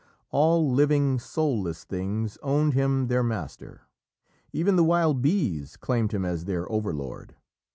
All living, soulless things owned him their master; even the wild bees claimed him as their overlord.